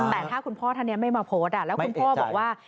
แต่ถ้าคุณพ่อท่านนี้ไม่มาโพสต์แล้วคุณพ่อบอกว่า